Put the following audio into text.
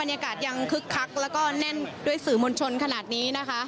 ยังคึกคักแล้วก็แน่นด้วยสื่อมวลชนขนาดนี้นะคะ